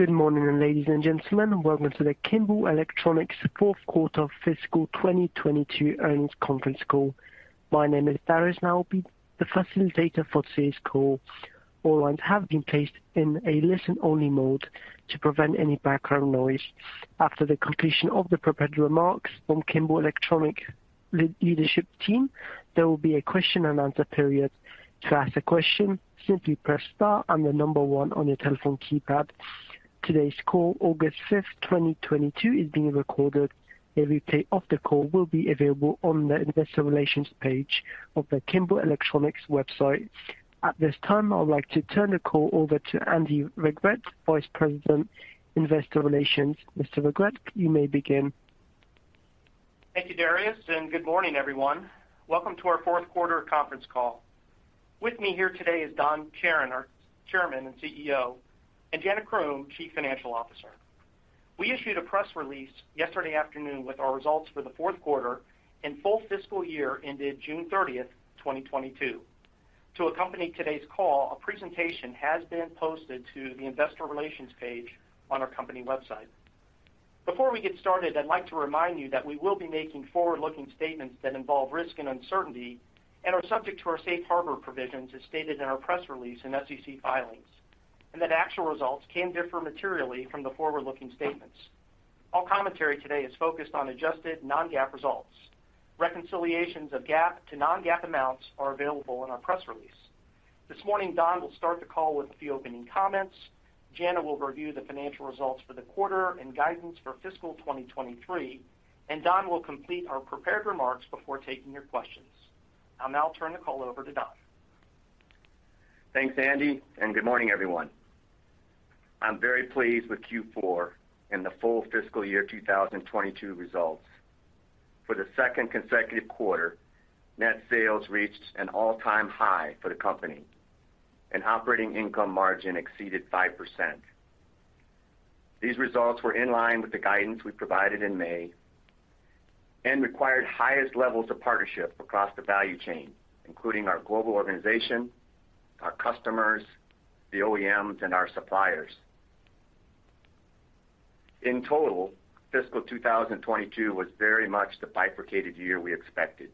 Good morning, ladies and gentlemen. Welcome to the Kimball Electronics Fourth Quarter Fiscal 2022 Earnings Conference Call. My name is Darius, and I will be the facilitator for today's call. All lines have been placed in a listen-only mode to prevent any background noise. After the completion of the prepared remarks from Kimball Electronics leadership team, there will be a question and answer period. To ask a question, simply press star and the number one on your telephone keypad. Today's call, August 5th, 2022, is being recorded. A replay of the call will be available on the investor relations page of the Kimball Electronics website. At this time, I would like to turn the call over to Andy Regrut, Vice President, Investor Relations. Mr. Regrut, you may begin. Thank you, Darius, and good morning, everyone. Welcome to our fourth quarter conference call. With me here today is Don Charron, our Chairman and CEO, and Jana Croom, Chief Financial Officer. We issued a press release yesterday afternoon with our results for the fourth quarter and full fiscal year ended June 30th, 2022. To accompany today's call, a presentation has been posted to the investor relations page on our company website. Before we get started, I'd like to remind you that we will be making forward-looking statements that involve risk and uncertainty and are subject to our safe harbor provisions as stated in our press release and SEC filings, and that actual results can differ materially from the forward-looking statements. All commentary today is focused on adjusted non-GAAP results. Reconciliations of GAAP to non-GAAP amounts are available in our press release. This morning, Don will start the call with a few opening comments. Jana will review the financial results for the quarter and guidance for fiscal 2023, and Don will complete our prepared remarks before taking your questions. I'll now turn the call over to Don. Thanks, Andy, and good morning, everyone. I'm very pleased with Q4 and the full fiscal year 2022 results. For the second consecutive quarter, net sales reached an all-time high for the company, and operating income margin exceeded 5%. These results were in line with the guidance we provided in May and required highest levels of partnership across the value chain, including our global organization, our customers, the OEMs, and our suppliers. In total, fiscal 2022 was very much the bifurcated year we expected,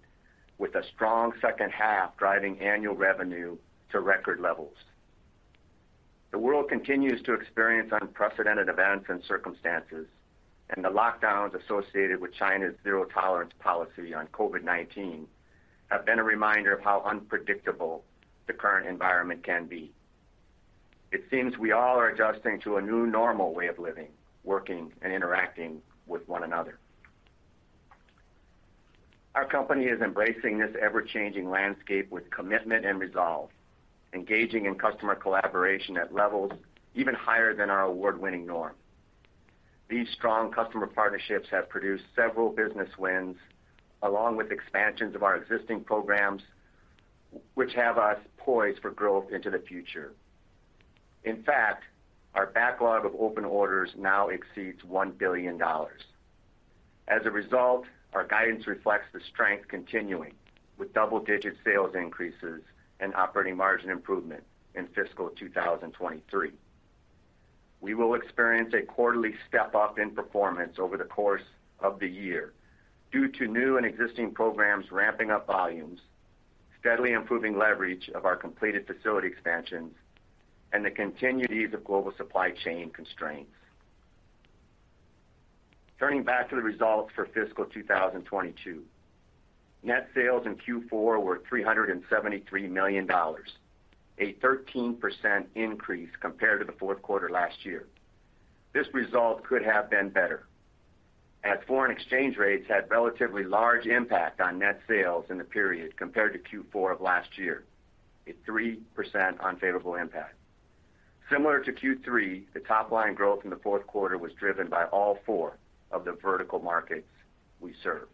with a strong second half driving annual revenue to record levels. The world continues to experience unprecedented events and circumstances, and the lockdowns associated with China's zero-tolerance policy on COVID-19 have been a reminder of how unpredictable the current environment can be. It seems we all are adjusting to a new normal way of living, working, and interacting with one another. Our company is embracing this ever-changing landscape with commitment and resolve, engaging in customer collaboration at levels even higher than our award-winning norm. These strong customer partnerships have produced several business wins, along with expansions of our existing programs, which have us poised for growth into the future. In fact, our backlog of open orders now exceeds $1 billion. As a result, our guidance reflects the strength continuing with double-digit sales increases and operating margin improvement in fiscal 2023. We will experience a quarterly step-up in performance over the course of the year due to new and existing programs ramping up volumes, steadily improving leverage of our completed facility expansions, and the continued ease of global supply chain constraints. Turning back to the results for fiscal 2022. Net sales in Q4 were $373 million, a 13% increase compared to the fourth quarter last year. This result could have been better, as foreign exchange rates had relatively large impact on net sales in the period compared to Q4 of last year, a 3% unfavorable impact. Similar to Q3, the top-line growth in the fourth quarter was driven by all four of the vertical markets we serve.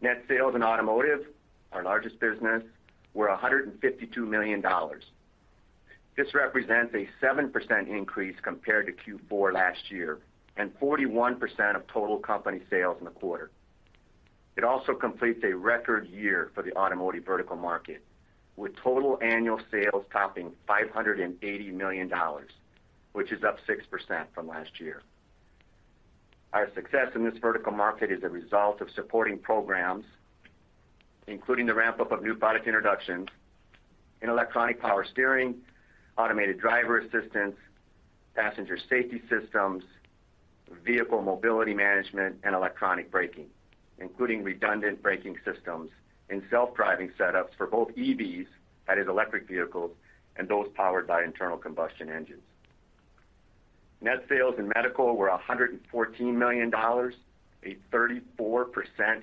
Net sales in automotive, our largest business, were $152 million. This represents a 7% increase compared to Q4 last year and 41% of total company sales in the quarter. It also completes a record year for the automotive vertical market, with total annual sales topping $580 million, which is up 6% from last year. Our success in this vertical market is a result of supporting programs, including the ramp-up of new product introductions in electronic power steering, advanced driver-assistance, passenger safety systems, vehicle mobility management, and electronic braking, including redundant braking systems in self-driving setups for both EVs, that is electric vehicles, and those powered by internal combustion engines. Net sales in medical were $114 million, a 34%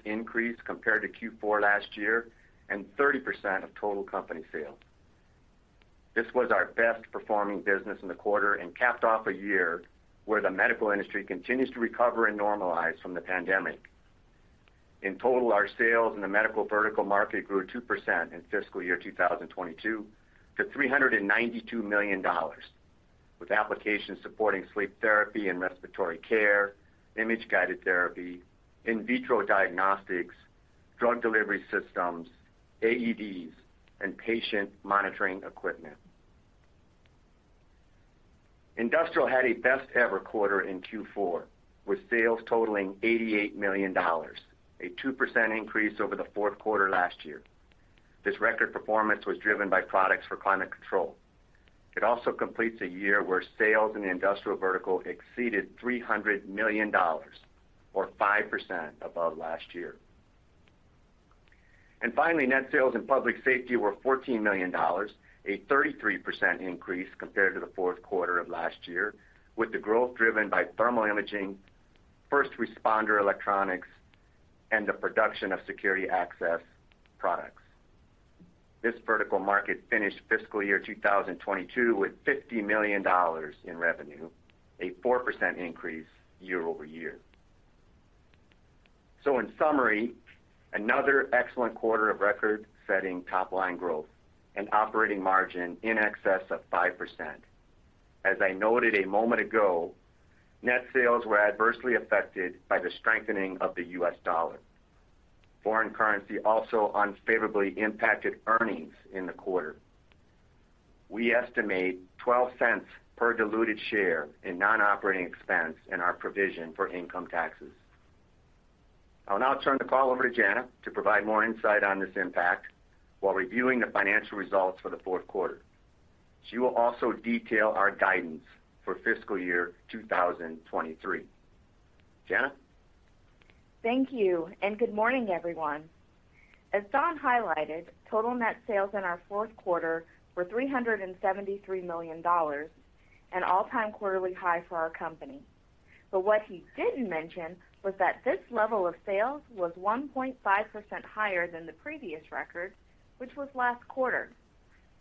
increase compared to Q4 last year, and 30% of total company sales. This was our best-performing business in the quarter and capped off a year where the medical industry continues to recover and normalize from the pandemic. In total, our sales in the medical vertical market grew 2% in fiscal year 2022 to $392 million, with applications supporting sleep therapy and respiratory care, image-guided therapy, in vitro diagnostics, drug delivery systems, AEDs, and patient monitoring equipment. Industrial had a best-ever quarter in Q4, with sales totaling $88 million, a 2% increase over the fourth quarter last year. This record performance was driven by products for climate control. It also completes a year where sales in the industrial vertical exceeded $300 million or 5% above last year. Finally, net sales in public safety were $14 million, a 33% increase compared to the fourth quarter of last year, with the growth driven by thermal imaging, first responder electronics, and the production of security access products. This vertical market finished fiscal year 2022 with $50 million in revenue, a 4% increase year-over-year. In summary, another excellent quarter of record-setting top-line growth and operating margin in excess of 5%. As I noted a moment ago, net sales were adversely affected by the strengthening of the U.S. dollar. Foreign currency also unfavorably impacted earnings in the quarter. We estimate $0.12 per diluted share in non-operating expense in our provision for income taxes. I'll now turn the call over to Jana to provide more insight on this impact while reviewing the financial results for the fourth quarter. She will also detail our guidance for fiscal year 2023. Jana? Thank you, and good morning, everyone. As Don highlighted, total net sales in our fourth quarter were $373 million, an all-time quarterly high for our company. What he didn't mention was that this level of sales was 1.5% higher than the previous record, which was last quarter.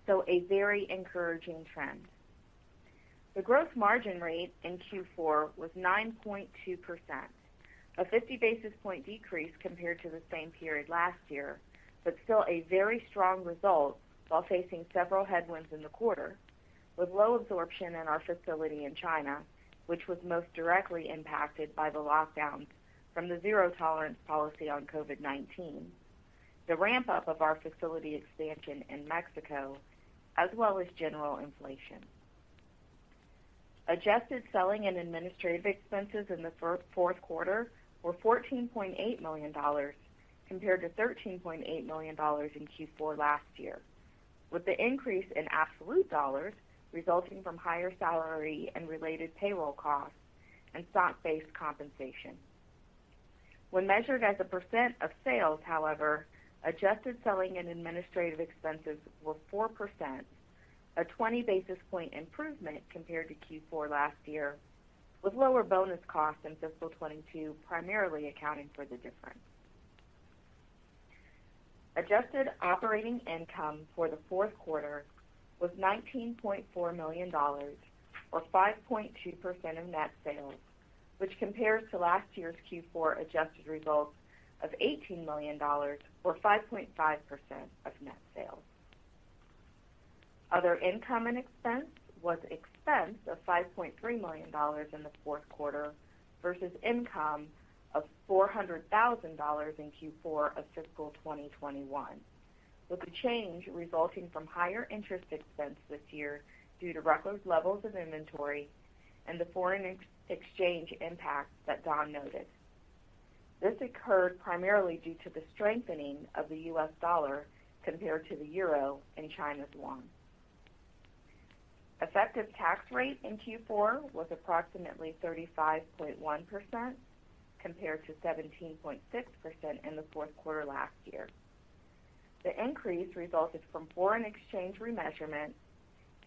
A very encouraging trend. The gross margin rate in Q4 was 9.2%, a 50 basis point decrease compared to the same period last year, but still a very strong result while facing several headwinds in the quarter, with low absorption in our facility in China, which was most directly impacted by the lockdowns from the zero-tolerance policy on COVID-19, the ramp-up of our facility expansion in Mexico, as well as general inflation. Adjusted selling and administrative expenses in the fourth quarter were $14.8 million compared to $13.8 million in Q4 last year, with the increase in absolute dollars resulting from higher salary and related payroll costs and stock-based compensation. When measured as a percent of sales, however, adjusted selling and administrative expenses were 4%, a 20 basis point improvement compared to Q4 last year, with lower bonus costs in fiscal 2022 primarily accounting for the difference. Adjusted operating income for the fourth quarter was $19.4 million or 5.2% of net sales, which compares to last year's Q4 adjusted results of $18 million or 5.5% of net sales. Other income and expense was expense of $5.3 million in the fourth quarter versus income of $400,000 in Q4 of fiscal 2021, with the change resulting from higher interest expense this year due to record levels of inventory and the foreign exchange impact that Don noted. This occurred primarily due to the strengthening of the U.S. dollar compared to the euro and China's yuan. Effective tax rate in Q4 was approximately 35.1% compared to 17.6% in the fourth quarter last year. The increase resulted from foreign exchange remeasurement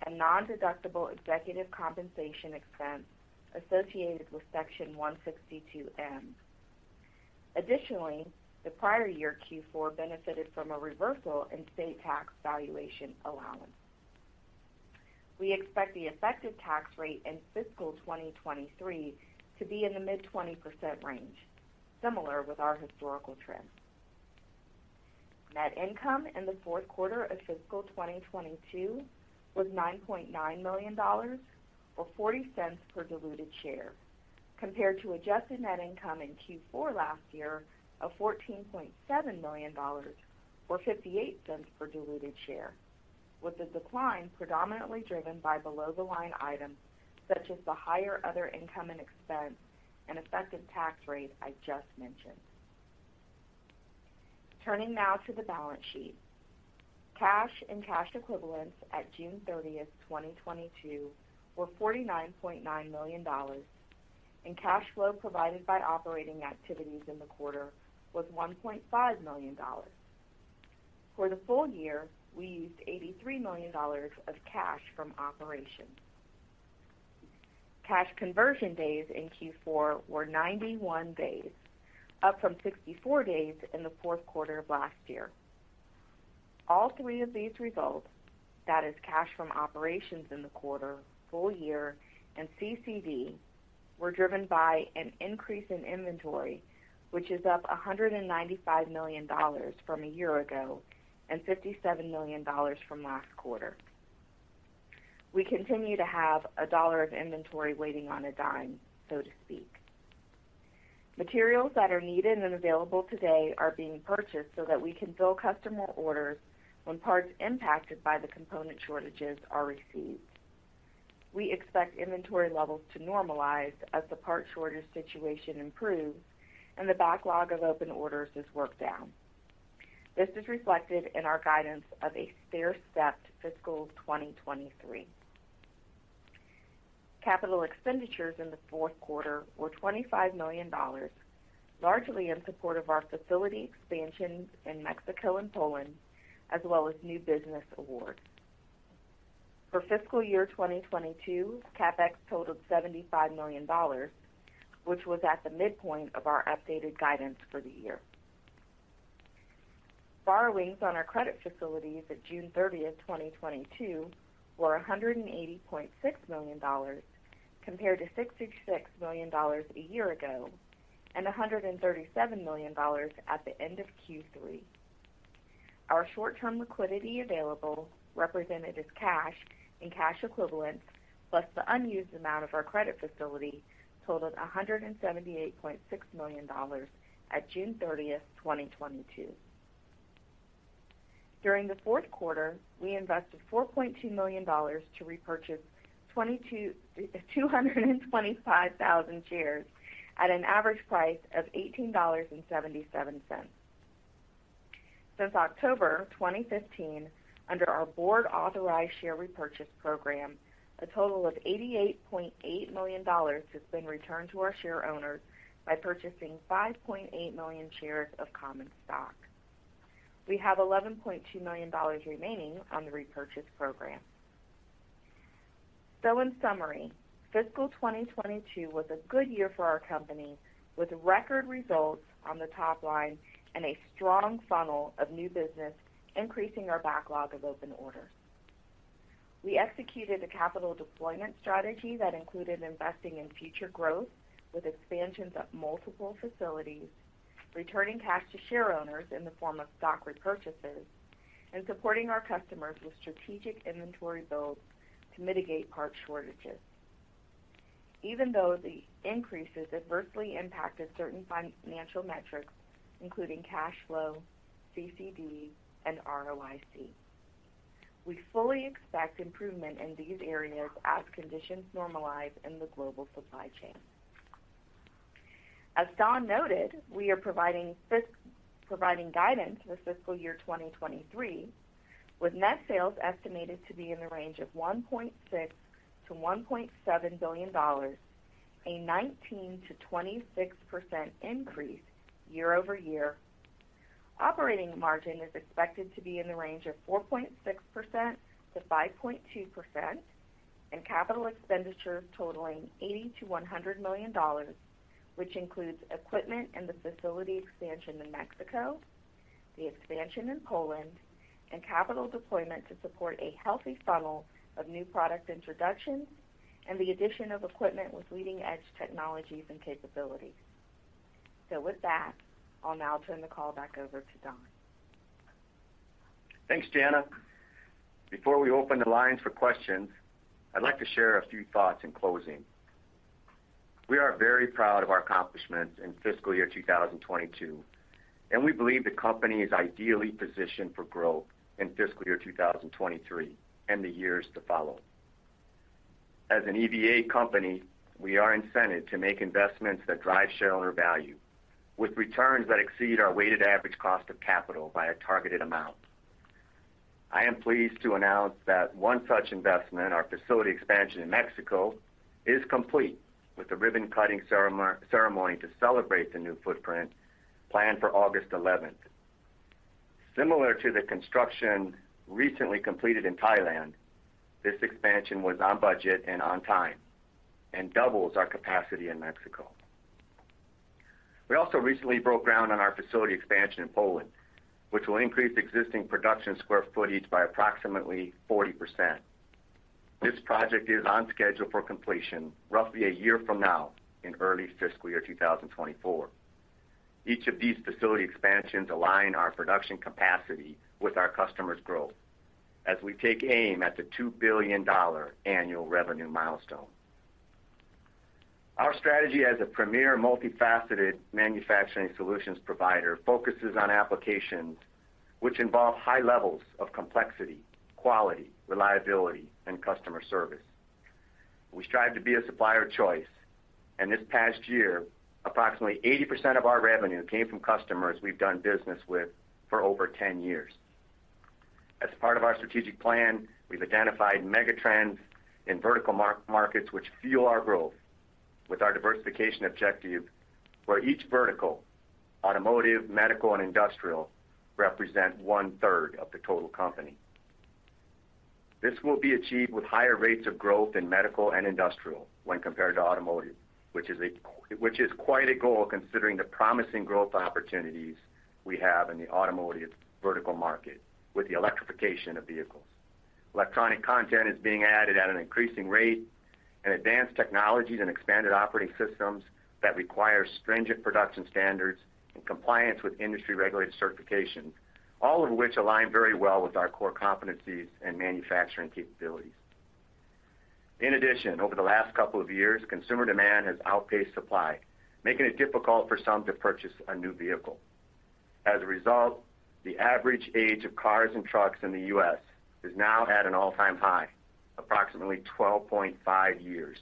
and nondeductible executive compensation expense associated with Section 162(m). Additionally, the prior year Q4 benefited from a reversal in state tax valuation allowance. We expect the effective tax rate in fiscal 2023 to be in the mid-20% range, similar with our historical trend. Net income in the fourth quarter of fiscal 2022 was $9.9 million or $0.40 per diluted share, compared to adjusted net income in Q4 last year of $14.7 million or $0.58 per diluted share, with the decline predominantly driven by below-the-line items such as the higher other income and expense and effective tax rate I just mentioned. Turning now to the balance sheet. Cash and cash equivalents at June 30th, 2022 were $49.9 million, and cash flow provided by operating activities in the quarter was $1.5 million. For the full year, we used $83 million of cash from operations. Cash conversion days in Q4 were 91 days, up from 64 days in the fourth quarter of last year. All three of these results, that is cash from operations in the quarter, full year, and CCD, were driven by an increase in inventory, which is up $195 million from a year ago and $57 million from last quarter. We continue to have a dollar of inventory waiting on a dime, so to speak. Materials that are needed and available today are being purchased so that we can fill customer orders when parts impacted by the component shortages are received. We expect inventory levels to normalize as the part shortage situation improves and the backlog of open orders is worked down. This is reflected in our guidance of a stair-stepped fiscal 2023. Capital expenditures in the fourth quarter were $25 million, largely in support of our facility expansions in Mexico and Poland, as well as new business awards. For fiscal year 2022, CapEx totaled $75 million, which was at the midpoint of our updated guidance for the year. Borrowings on our credit facilities at June 30th, 2022 were $180.6 million compared to $66 million a year ago and $137 million at the end of Q3. Our short-term liquidity available, represented as cash and cash equivalents, plus the unused amount of our credit facility, totaled $178.6 million at June 30th, 2022. During the fourth quarter, we invested $4.2 million to repurchase 225,000 shares at an average price of $18.77. Since October 2015, under our board authorized share repurchase program, a total of $88.8 million has been returned to our shareowners by purchasing 5.8 million shares of common stock. We have $11.2 million remaining on the repurchase program. In summary, fiscal 2022 was a good year for our company, with record results on the top line and a strong funnel of new business increasing our backlog of open orders. We executed a capital deployment strategy that included investing in future growth with expansions at multiple facilities, returning cash to shareowners in the form of stock repurchases, and supporting our customers with strategic inventory builds to mitigate part shortages. Even though the increases adversely impacted certain financial metrics, including cash flow, CCD, and ROIC, we fully expect improvement in these areas as conditions normalize in the global supply chain. As Don noted, we are providing guidance for fiscal year 2023, with net sales estimated to be in the range of $1.6 billion-$1.7 billion, a 19%-26% increase year-over-year. Operating margin is expected to be in the range of 4.6%-5.2%, and capital expenditure totaling $80 million-$100 million, which includes equipment and the facility expansion in Mexico, the expansion in Poland, and capital deployment to support a healthy funnel of new product introductions and the addition of equipment with leading-edge technologies and capabilities. With that, I'll now turn the call back over to Don. Thanks, Jana. Before we open the lines for questions, I'd like to share a few thoughts in closing. We are very proud of our accomplishments in fiscal year 2022, and we believe the company is ideally positioned for growth in fiscal year 2023 and the years to follow. As an EVA company, we are incented to make investments that drive shareholder value with returns that exceed our weighted average cost of capital by a targeted amount. I am pleased to announce that one such investment, our facility expansion in Mexico, is complete with the ribbon-cutting ceremony to celebrate the new footprint planned for August eleventh. Similar to the construction recently completed in Thailand, this expansion was on budget and on time and doubles our capacity in Mexico. We also recently broke ground on our facility expansion in Poland, which will increase existing production square footage by approximately 40%. This project is on schedule for completion roughly a year from now in early fiscal year 2024. Each of these facility expansions align our production capacity with our customers' growth as we take aim at the $2 billion annual revenue milestone. Our strategy as a premier multifaceted manufacturing solutions provider focuses on applications which involve high levels of complexity, quality, reliability, and customer service. We strive to be a supplier of choice, and this past year, approximately 80% of our revenue came from customers we've done business with for over 10 years. As part of our strategic plan, we've identified mega trends in vertical markets which fuel our growth with our diversification objective where each vertical, automotive, medical, and industrial, represent one-thirdof the total company. This will be achieved with higher rates of growth in medical and industrial when compared to automotive, which is quite a goal considering the promising growth opportunities we have in the automotive vertical market with the electrification of vehicles. Electronic content is being added at an increasing rate. Advanced technologies and expanded operating systems that require stringent production standards and compliance with industry regulated certification, all of which align very well with our core competencies and manufacturing capabilities. In addition, over the last couple of years, consumer demand has outpaced supply, making it difficult for some to purchase a new vehicle. As a result, the average age of cars and trucks in the U.S. is now at an all-time high, approximately 12.5 years.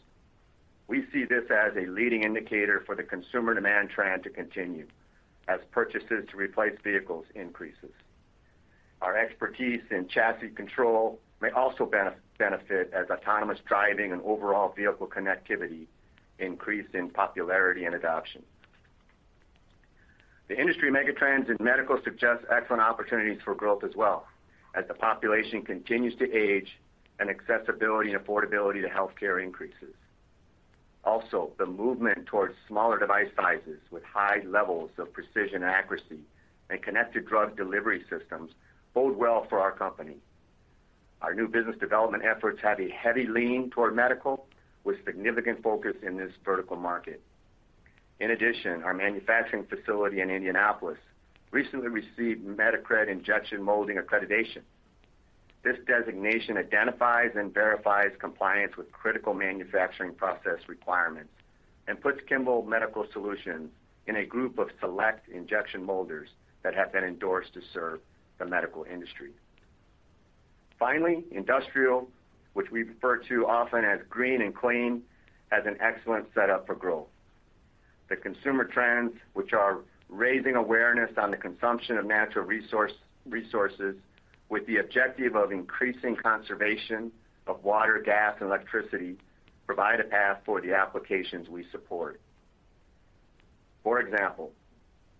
We see this as a leading indicator for the consumer demand trend to continue as purchases to replace vehicles increases. Our expertise in chassis control may also benefit as autonomous driving and overall vehicle connectivity increase in popularity and adoption. The industry mega trends in medical suggests excellent opportunities for growth as well as the population continues to age and accessibility and affordability to healthcare increases. Also, the movement towards smaller device sizes with high levels of precision accuracy and connected drug delivery systems bode well for our company. Our new business development efforts have a heavy lean toward medical, with significant focus in this vertical market. In addition, our manufacturing facility in Indianapolis recently received MedAccred injection molding accreditation. This designation identifies and verifies compliance with critical manufacturing process requirements and puts Kimball Medical Solutions in a group of select injection molders that have been endorsed to serve the medical industry. Finally, industrial, which we refer to often as green and clean, has an excellent setup for growth. The consumer trends, which are raising awareness on the consumption of natural resources with the objective of increasing conservation of water, gas and electricity provide a path for the applications we support. For example,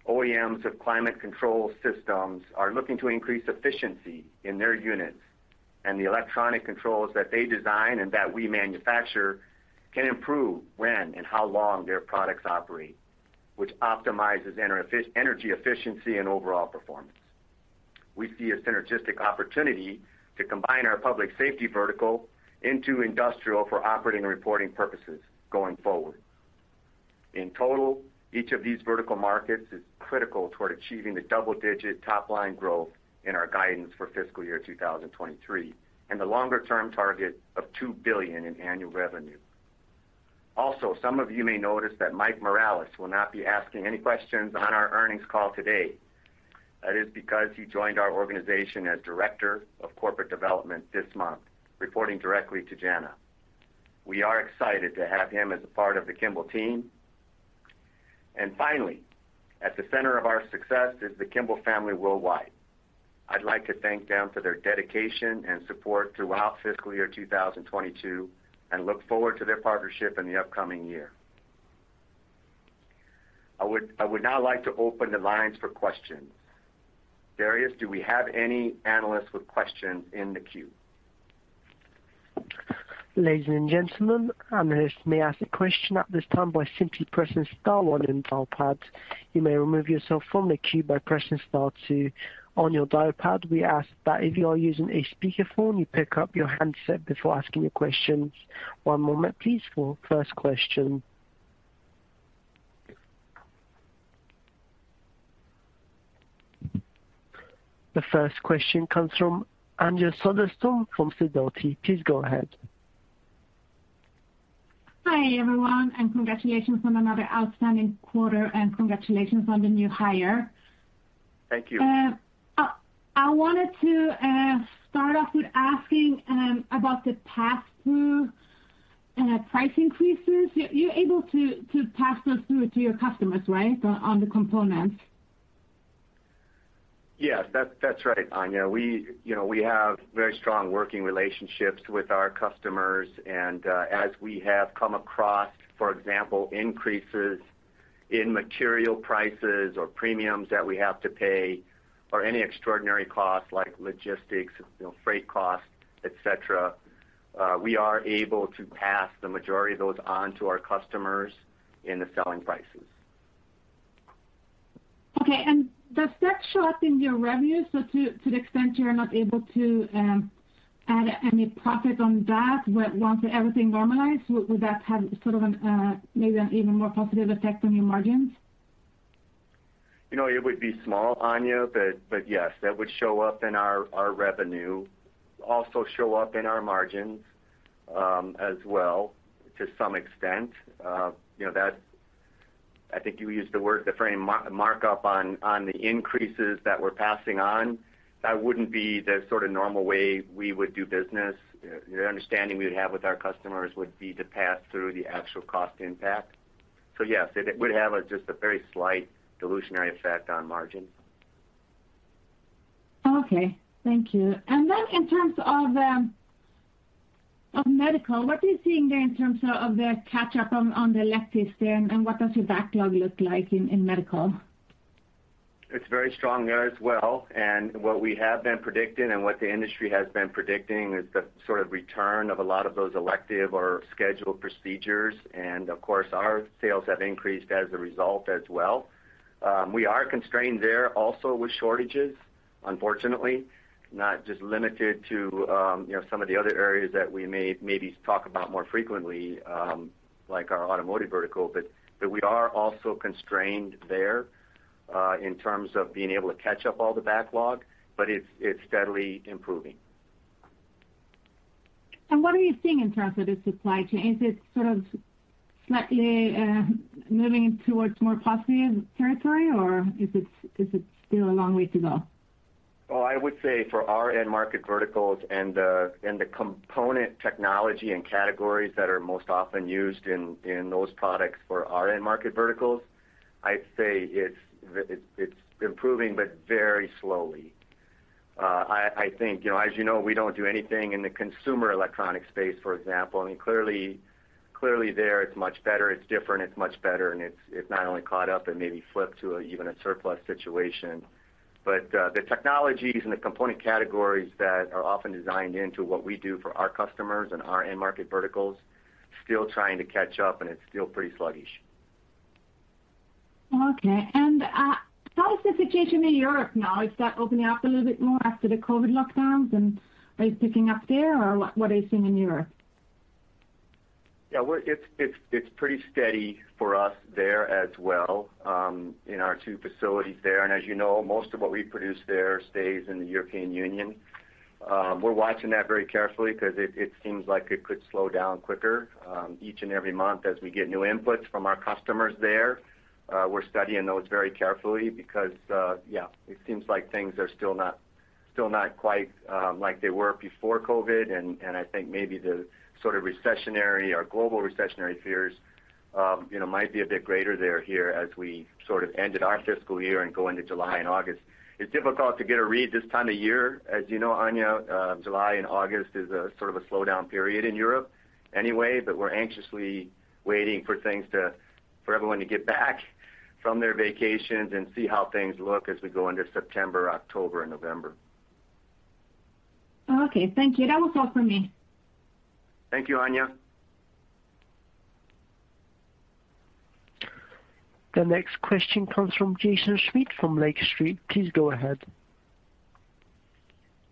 OEMs of climate control systems are looking to increase efficiency in their units, and the electronic controls that they design and that we manufacture can improve when and how long their products operate, which optimizes energy efficiency and overall performance. We see a synergistic opportunity to combine our public safety vertical into industrial for operating and reporting purposes going forward. In total, each of these vertical markets is critical toward achieving the double-digit top line growth in our guidance for fiscal year 2023, and the longer term target of $2 billion in annual revenue. Also, some of you may notice that Mike Morales will not be asking any questions on our earnings call today. That is because he joined our organization as Director of Corporate Development this month, reporting directly to Jana. We are excited to have him as a part of the Kimball team. Finally, at the center of our success is the Kimball family worldwide. I'd like to thank them for their dedication and support throughout fiscal year 2022 and look forward to their partnership in the upcoming year. I would now like to open the lines for questions. Darius, do we have any analysts with questions in the queue? Ladies and gentlemen, analysts may ask a question at this time by simply pressing star one on your dial pad. You may remove yourself from the queue by pressing star two on your dial pad. We ask that if you are using a speakerphone, you pick up your handset before asking your questions. One moment please for first question. The first question comes from Anja Soderstrom from Sidoti. Please go ahead. Hi, everyone, and congratulations on another outstanding quarter and congratulations on the new hire. Thank you. I wanted to start off with asking about the pass-through price increases. You're able to pass those through to your customers, right? On the components. Yes. That's right, Anja. We, you know, we have very strong working relationships with our customers. As we have come across, for example, increases in material prices or premiums that we have to pay or any extraordinary costs like logistics, you know, freight costs, et cetera, we are able to pass the majority of those on to our customers in the selling prices. Okay. Does that show up in your revenue? To the extent you're not able to add any profit on that once everything normalized, would that have sort of maybe an even more positive effect on your margins? You know, it would be small, Anja, but yes, that would show up in our revenue. Also show up in our margins, as well to some extent. You know, that I think you used the word, the freight markup on the increases that we're passing on. That wouldn't be the sort of normal way we would do business. The understanding we would have with our customers would be to pass through the actual cost impact. Yes, it would have just a very slight dilutive effect on margin. Okay. Thank you. In terms of medical, what are you seeing there in terms of the catch-up on the electives there, and what does your backlog look like in medical? It's very strong there as well. What we have been predicting and what the industry has been predicting is the sort of return of a lot of those elective or scheduled procedures. Of course, our sales have increased as a result as well. We are constrained there also with shortages. Unfortunately, not just limited to, you know, some of the other areas that we maybe talk about more frequently, like our automotive vertical, but we are also constrained there, in terms of being able to catch up all the backlog, but it's steadily improving. What are you seeing in terms of the supply chain? Is it sort of slightly moving towards more positive territory or is it still a long way to go? Well, I would say for our end market verticals and the component technology and categories that are most often used in those products for our end market verticals, I'd say it's improving, but very slowly. I think, you know, as you know, we don't do anything in the consumer electronics space, for example. I mean, clearly there it's much better, it's different, it's much better, and it's not only caught up and maybe flipped to even a surplus situation. The technologies and the component categories that are often designed into what we do for our customers and our end market verticals still trying to catch up and it's still pretty sluggish. Okay. How is the situation in Europe now? Is that opening up a little bit more after the COVID lockdowns, and are you picking up there or what are you seeing in Europe? It's pretty steady for us there as well in our two facilities there. As you know, most of what we produce there stays in the European Union. We're watching that very carefully because it seems like it could slow down quicker each and every month as we get new inputs from our customers there. We're studying those very carefully because yeah, it seems like things are still not quite like they were before COVID. I think maybe the sort of recessionary or global recessionary fears you know, might be a bit greater than here as we sort of ended our fiscal year and go into July and August. It's difficult to get a read this time of year. As you know, Anja, July and August is a sort of a slowdown period in Europe anyway, but we're anxiously waiting for everyone to get back from their vacations and see how things look as we go into September, October, and November. Okay, thank you. That was all for me. Thank you, Anja. The next question comes from Jaeson Schmidt from Lake Street. Please go ahead.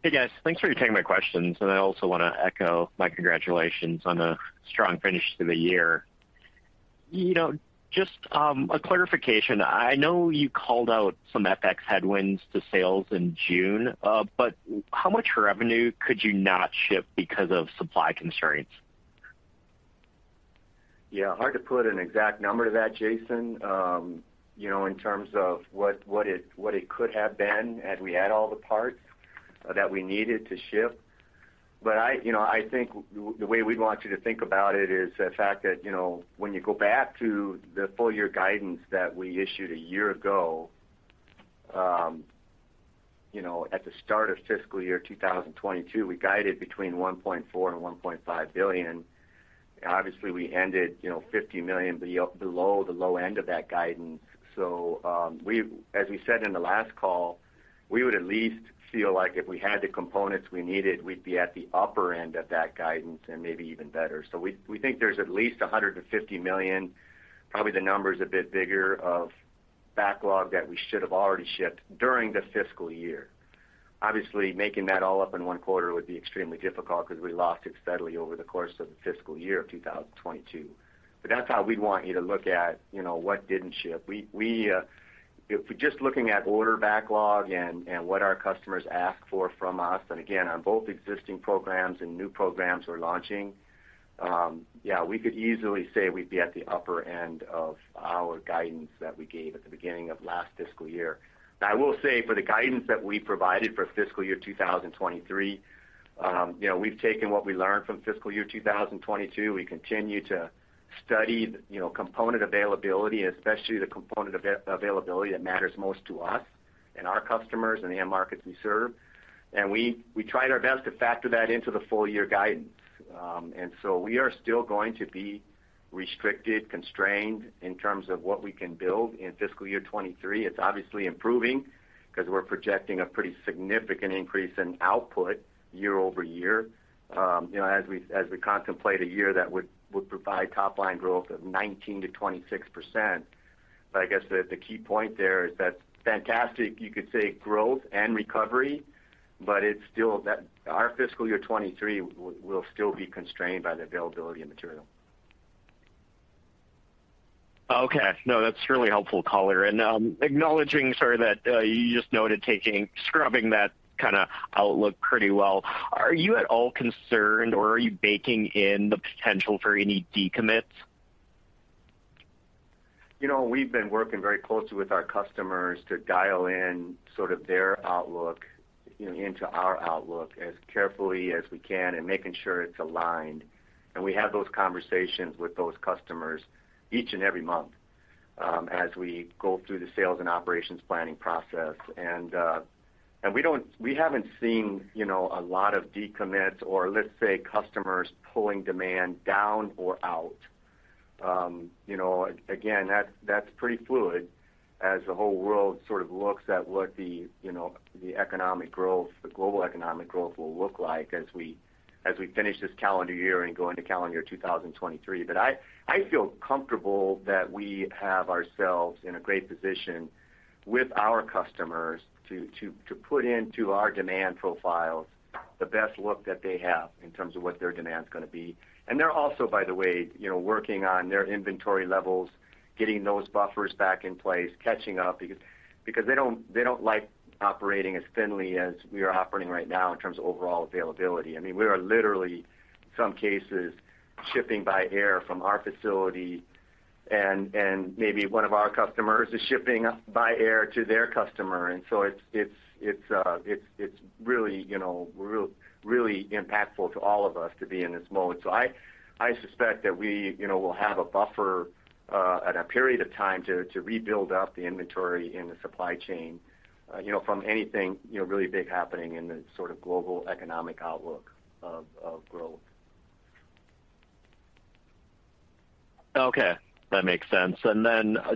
Hey, guys. Thanks for taking my questions, and I also wanna echo my congratulations on a strong finish to the year. You know, just, a clarification. I know you called out some FX headwinds to sales in June, but how much revenue could you not ship because of supply constraints? Yeah, hard to put an exact number to that, Jaeson, you know, in terms of what it could have been had we had all the parts that we needed to ship. I, you know, I think the way we'd want you to think about it is the fact that, you know, when you go back to the full year guidance that we issued a year ago, you know, at the start of fiscal year 2022, we guided between $1.4 billion-$1.5 billion. Obviously, we ended, you know, $50 million below the low end of that guidance. As we said in the last call, we would at least feel like if we had the components we needed, we'd be at the upper end of that guidance and maybe even better. We think there's at least $150 million, probably the number's a bit bigger, of backlog that we should have already shipped during the fiscal year. Obviously, making that all up in one quarter would be extremely difficult because we lost it steadily over the course of the fiscal year of 2022. That's how we'd want you to look at, you know, what didn't ship. If we're just looking at order backlog and what our customers ask for from us, and again, on both existing programs and new programs we're launching, yeah, we could easily say we'd be at the upper end of our guidance that we gave at the beginning of last fiscal year. I will say for the guidance that we provided for fiscal year 2023, you know, we've taken what we learned from fiscal year 2022. We continue to study the, you know, component availability, especially the component availability that matters most to us and our customers and the end markets we serve. We tried our best to factor that into the full year guidance. We are still going to be restricted, constrained in terms of what we can build in fiscal year 2023. It's obviously improving because we're projecting a pretty significant increase in output year-over-year, you know, as we contemplate a year that would provide top line growth of 19%-26%. I guess the key point there is that's fantastic, you could say growth and recovery, but it's still that our fiscal year 2023 will still be constrained by the availability of material. No, that's really helpful color. Acknowledging, sorry that you just noted scrubbing that kinda outlook pretty well, are you at all concerned or are you baking in the potential for any decommits? You know, we've been working very closely with our customers to dial in sort of their outlook, you know, into our outlook as carefully as we can and making sure it's aligned. We have those conversations with those customers each and every month as we go through the sales and operations planning process. We haven't seen, you know, a lot of decommits or let's say customers pulling demand down or out. You know, again, that's pretty fluid as the whole world sort of looks at what the, you know, the economic growth, the global economic growth will look like as we finish this calendar year and go into calendar 2023. I feel comfortable that we have ourselves in a great position with our customers to put into our demand profiles the best look that they have in terms of what their demand is gonna be. They're also, by the way, you know, working on their inventory levels, getting those buffers back in place, catching up because they don't like operating as thinly as we are operating right now in terms of overall availability. I mean, we are literally, some cases, shipping by air from our facility and maybe one of our customers is shipping by air to their customer. It's really, you know, really impactful to all of us to be in this mode. I suspect that we, you know, will have a buffer and a period of time to rebuild up the inventory in the supply chain, you know, from anything, you know, really big happening in the sort of global economic outlook of growth. Okay. That makes sense.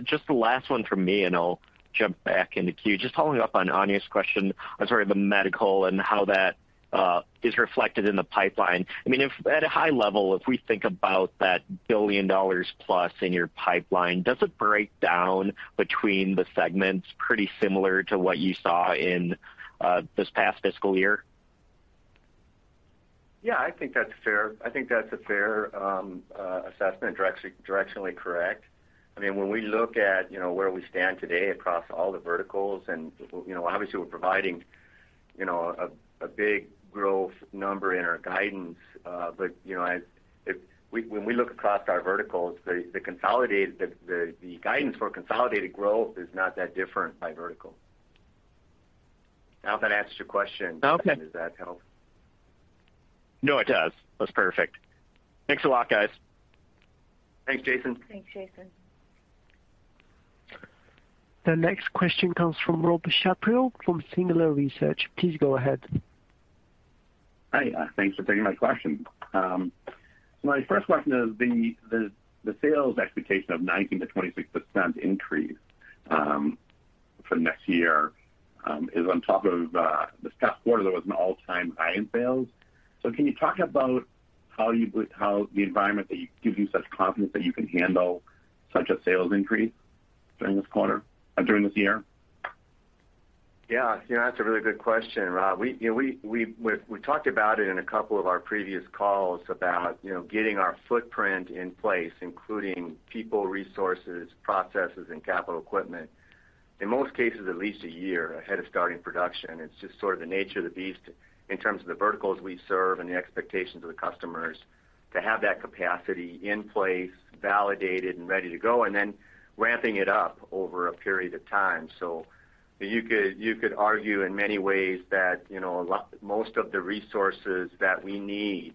Just the last one from me, and I'll jump back in the queue. Just following up on Anja's question on sort of the medical and how that is reflected in the pipeline. I mean, if at a high level, if we think about that $1 billion+ in your pipeline, does it break down between the segments pretty similar to what you saw in this past fiscal year? Yeah, I think that's fair. I think that's a fair assessment, directionally correct. I mean, when we look at, you know, where we stand today across all the verticals, and, you know, obviously, we're providing, you know, a big growth number in our guidance, but, you know, when we look across our verticals, the guidance for consolidated growth is not that different by vertical. I hope that answers your question. Okay. Does that help? No, it does. That's perfect. Thanks a lot, guys. Thanks, Jaeson. Thanks, Jaeson. The next question comes from Rob Shapiro from Singular Research. Please go ahead. Hi. Thanks for taking my question. My first question is the sales expectation of 19%-26% increase for next year is on top of this past quarter, there was an all-time high in sales. Can you talk about how the environment gives you such confidence that you can handle such a sales increase during this year? Yeah. You know, that's a really good question, Rob. You know, we've talked about it in a couple of our previous calls about, you know, getting our footprint in place, including people, resources, processes, and capital equipment. In most cases, at least a year ahead of starting production. It's just sort of the nature of the beast in terms of the verticals we serve and the expectations of the customers to have that capacity in place, validated, and ready to go, and then ramping it up over a period of time. You could argue in many ways that, you know, a lot, most of the resources that we need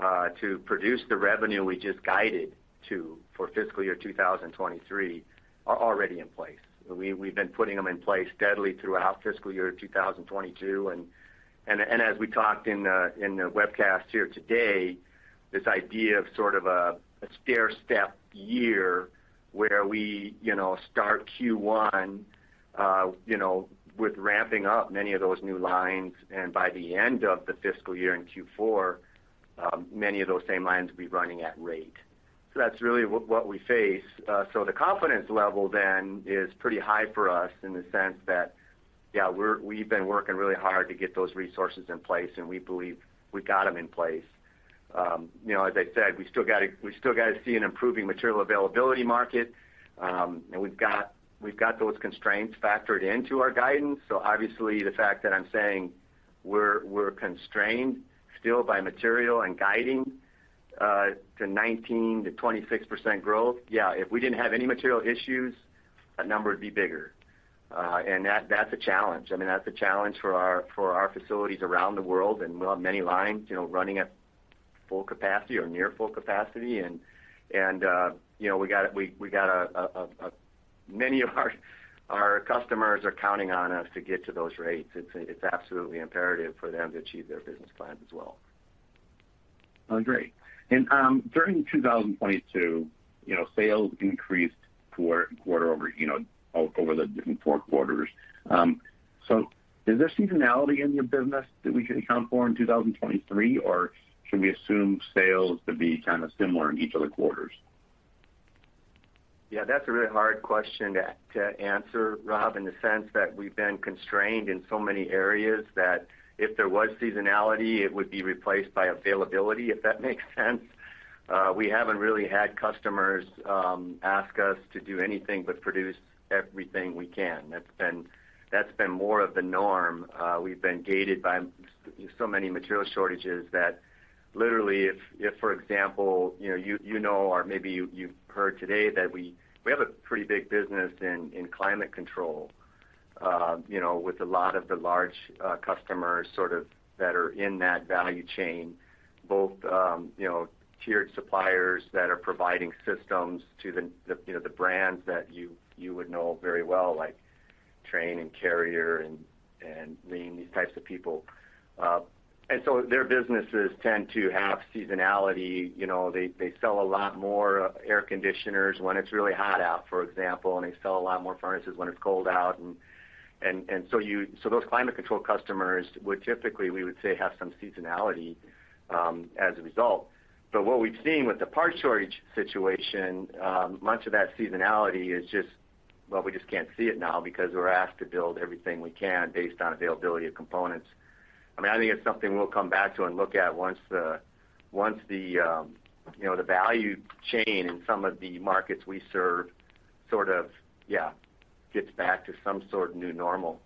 to produce the revenue we just guided to for fiscal year 2023 are already in place. We've been putting them in place steadily throughout fiscal year 2022. as we talked in the webcast here today, this idea of sort of a stair-step year where we, you know, start Q1 with ramping up many of those new lines, and by the end of the fiscal year in Q4, many of those same lines will be running at rate. That's really what we face. The confidence level then is pretty high for us in the sense that, yeah, we've been working really hard to get those resources in place, and we believe we got them in place. You know, as I said, we still gotta see an improving material availability market. We've got those constraints factored into our guidance. Obviously, the fact that I'm saying we're constrained still by material and guiding to 19%-26% growth. Yeah, if we didn't have any material issues, that number would be bigger. That’s a challenge. I mean, that’s a challenge for our facilities around the world, and we’ll have many lines, you know, running at full capacity or near full capacity. You know, we got many of our customers are counting on us to get to those rates. It’s absolutely imperative for them to achieve their business plans as well. Oh, great. During 2022, you know, sales increased quarter-over-quarter over the different four quarters. Is there seasonality in your business that we should account for in 2023, or should we assume sales to be kind of similar in each of the quarters? Yeah, that's a really hard question to answer, Rob, in the sense that we've been constrained in so many areas, that if there was seasonality, it would be replaced by availability, if that makes sense. We haven't really had customers ask us to do anything but produce everything we can. That's been more of the norm. We've been gated by so many material shortages that literally if, for example, you know, or maybe you heard today that we have a pretty big business in climate control, you know, with a lot of the large customers sort of that are in that value chain, both you know tiered suppliers that are providing systems to the you know the brands that you would know very well, like Trane and Carrier and these types of people. Their businesses tend to have seasonality. You know, they sell a lot more air conditioners when it's really hot out, for example, and they sell a lot more furnaces when it's cold out. Those climate control customers would typically, we would say, have some seasonality, as a result. What we've seen with the part shortage situation, much of that seasonality is just. Well, we just can't see it now because we're asked to build everything we can based on availability of components. I mean, I think it's something we'll come back to and look at once the, you know, the value chain in some of the markets we serve sort of, yeah, gets back to some sort of new normal.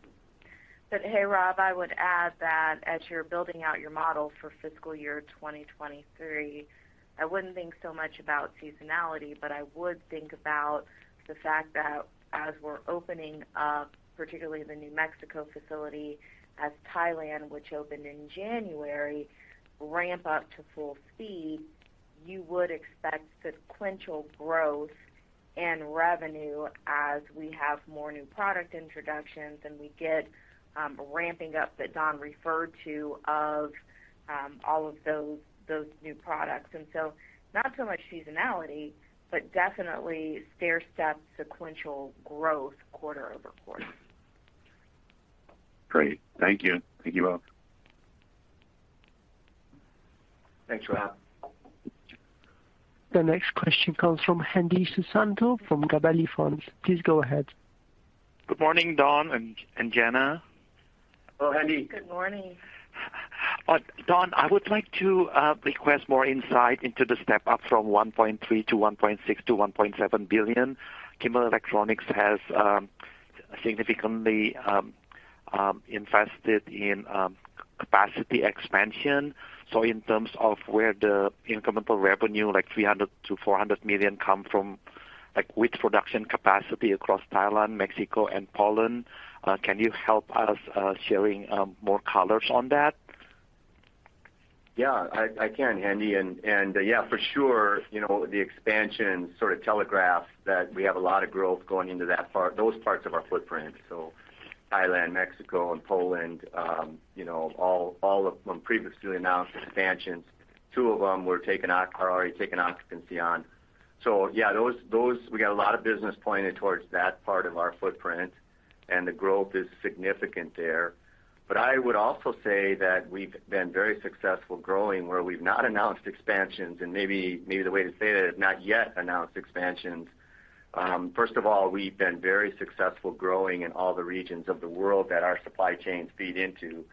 Hey, Rob, I would add that as you're building out your model for fiscal year 2023, I wouldn't think so much about seasonality, but I would think about the fact that as we're opening up, particularly the Mexico facility, as Thailand, which opened in January, ramp up to full speed, you would expect sequential growth and revenue as we have more new product introductions and we get ramping up that Don referred to of all of those new products. Not so much seasonality, but definitely stairstep sequential growth quarter-over-quarter. Great. Thank you. Thank you both. Thanks, Rob. The next question comes from Hendi Susanto from Gabelli Funds. Please go ahead. Good morning, Don and Jana. Hello, Hendi. Good morning. Don, I would like to request more insight into the step up from $1.3 billion to $1.6 billion to $1.7 billion. Kimball Electronics has significantly invested in capacity expansion. In terms of where the incremental revenue, like $300 million-$400 million come from, like with production capacity across Thailand, Mexico and Poland, can you help us sharing more colors on that? Yeah, I can, Hendi, and yeah, for sure, you know, the expansion sort of telegraphs that we have a lot of growth going into that part, those parts of our footprint. Thailand, Mexico and Poland, you know, all of them previously announced expansions. Two of them are already taking occupancy on. Yeah, those we got a lot of business pointed towards that part of our footprint. The growth is significant there. I would also say that we've been very successful growing where we've not announced expansions. Maybe the way to say that is not yet announced expansions. First of all, we've been very successful growing in all the regions of the world that our supply chains feed into.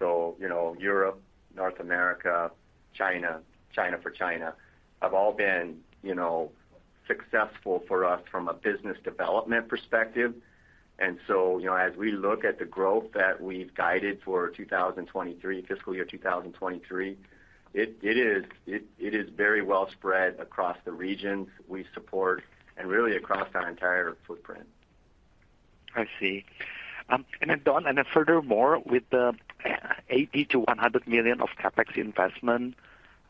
You know, Europe, North America, China. China for China, have all been, you know, successful for us from a business development perspective. You know, as we look at the growth that we've guided for 2023, fiscal year 2023, it is very well spread across the regions we support and really across our entire footprint. I see. Don, furthermore, with the $80 million-$100 million of CapEx investment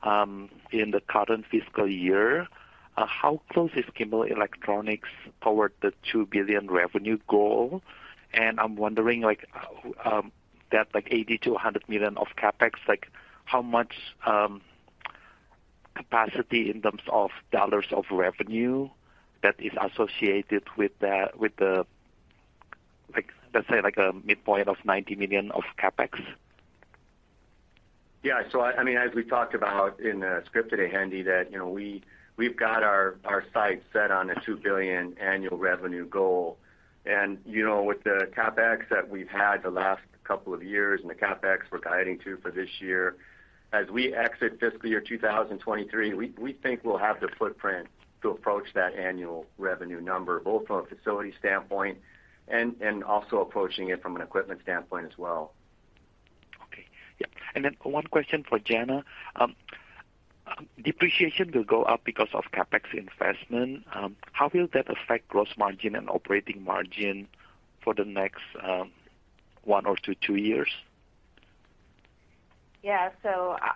in the current fiscal year, how close is Kimball Electronics toward the $2 billion revenue goal? I'm wondering like, that like $80 million-$100 million of CapEx, like how much capacity in terms of dollars of revenue that is associated with the, like, let's say like a midpoint of $90 million of CapEx. I mean, as we talked about in the script today, Hendi, you know, we've got our sights set on a $2 billion annual revenue goal. You know, with the CapEx that we've had the last couple of years and the CapEx we're guiding to for this year, as we exit fiscal year 2023, we think we'll have the footprint to approach that annual revenue number, both from a facility standpoint and also approaching it from an equipment standpoint as well. Okay. Yeah. One question for Jana. Depreciation will go up because of CapEx investment. How will that affect gross margin and operating margin for the next one or two years? Yeah.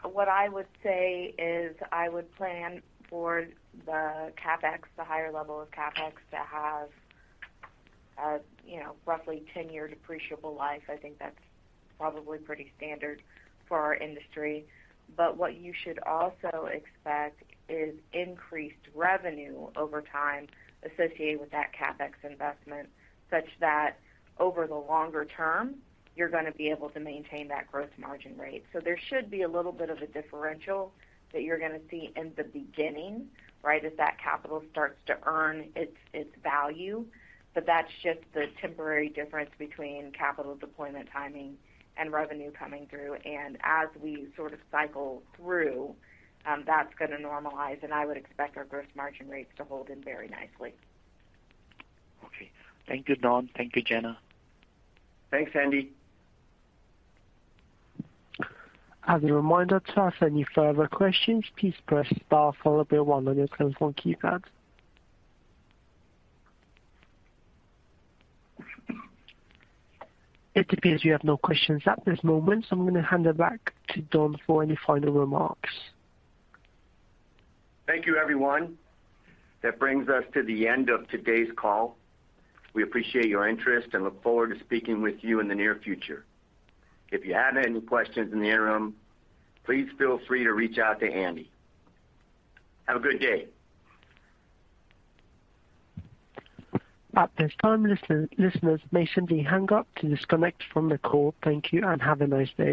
What I would say is I would plan for the CapEx, the higher level of CapEx to have roughly 10-year depreciable life. I think that's probably pretty standard for our industry. What you should also expect is increased revenue over time associated with that CapEx investment, such that over the longer term, you're gonna be able to maintain that growth margin rate. There should be a little bit of a differential that you're gonna see in the beginning, right, as that capital starts to earn its value. That's just the temporary difference between capital deployment timing and revenue coming through. As we sort of cycle through, that's gonna normalize, and I would expect our gross margin rates to hold in very nicely. Okay. Thank you, Don. Thank you, Jana. Thanks, Hendi. As a reminder to ask any further questions, please press star followed by one on your telephone keypad. It appears you have no questions at this moment, so I'm gonna hand it back to Don for any final remarks. Thank you, everyone. That brings us to the end of today's call. We appreciate your interest and look forward to speaking with you in the near future. If you have any questions in the interim, please feel free to reach out to Andy. Have a good day. At this time, listeners may simply hang up to disconnect from the call. Thank you, and have a nice day.